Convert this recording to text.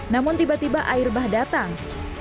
namun tiba tiba air bah datang